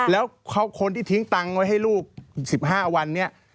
แล้วคนที่ทิ้งตังค์ไว้ให้ลูก๑๕วันนี้